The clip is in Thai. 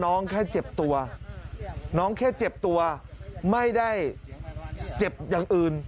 แค่เจ็บตัวน้องแค่เจ็บตัวไม่ได้เจ็บอย่างอื่น